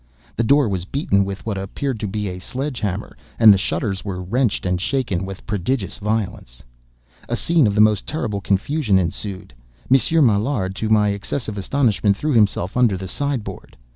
The door was beaten with what appeared to be a sledge hammer, and the shutters were wrenched and shaken with prodigious violence. A scene of the most terrible confusion ensued. Monsieur Maillard, to my excessive astonishment threw himself under the side board.